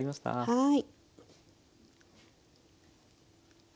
はい。